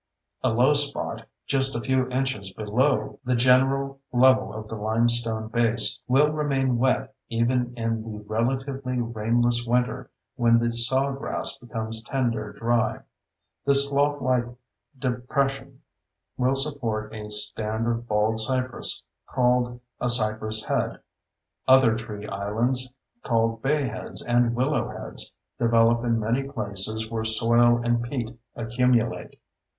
A low spot—just a few inches below the general level of the limestone base—will remain wet even in the relatively rainless winter when the sawgrass becomes tinder dry. This sloughlike depression will support a stand of baldcypress, called a "cypress head." Other tree islands, called bayheads and willow heads, develop in many places where soil and peat accumulate.